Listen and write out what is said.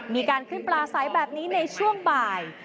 มีการขึ้นปลาใสแบบนี้ในช่วงบ่าย